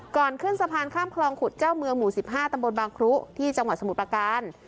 ขึ้นสะพานข้ามคลองขุดเจ้าเมืองหมู่๑๕ตำบลบางครุที่จังหวัดสมุทรประการ